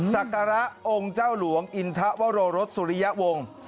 ศักระองค์เจ้าหลวงอินทะวโรรสสุริยวงศ์